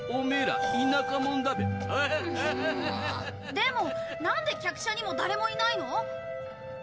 でもなんで客車にも誰もいないの？